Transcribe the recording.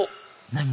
何？